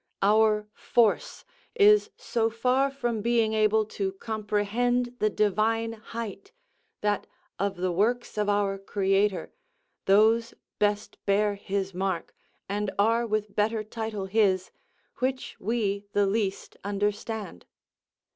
Our force is so far from being able to comprehend the divine height, that, of the works of our Creator, those best bear his mark, and are with better title his, which we the least understand.